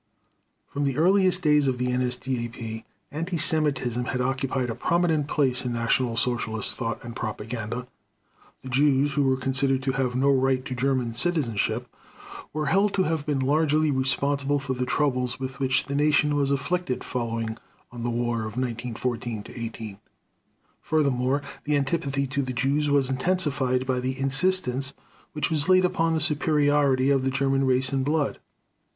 From the earliest days of the NSDAP, anti Semitism had occupied a prominent place in National Socialist thought and propaganda. The Jews, who were considered to have no right to German citizenship, were held to have been largely responsible for the troubles with which the Nation was afflicted following on the war of 1914 18. Furthermore, the antipathy to the Jews was intensified by the insistence which was laid upon the superiority of the Germanic race and blood.